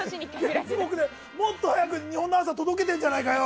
もっと早く日本の朝、届けてるじゃないかよ。